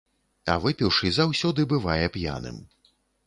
А выпіўшы заўсёды бывае п'яным.